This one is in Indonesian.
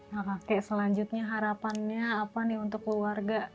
nah kakek selanjutnya harapannya apa nih untuk keluarga